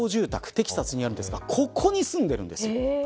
テキサスにあるんですがここに住んでいるんです。